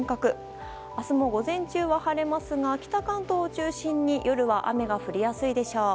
明日も、午前中は晴れますが北関東を中心に夜は雨が降りやすいでしょう。